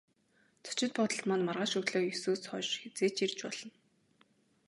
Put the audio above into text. Зочид буудалд маань маргааш өглөө есөөс хойш хэзээ ч ирж болно.